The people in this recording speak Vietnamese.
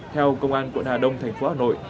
theo công an quận hà đông thành phố hà nội